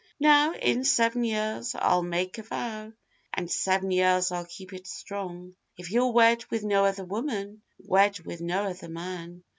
'Now in seven years I'll make a vow, And seven years I'll keep it strong, If you'll wed with no other woman, I will wed with no other man.